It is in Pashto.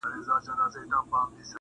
خدای مهربان دی دا روژه په ما تولو ارزي،